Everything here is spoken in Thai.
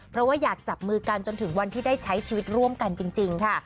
เพราะว่าอยากจับมือกันจนถึงวันที่ได้ใช้ชีวิตร่วมกันจริงค่ะ